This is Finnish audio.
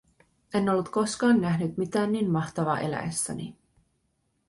En ollut koskaan nähnyt mitään niin mahtavaa eläessäni.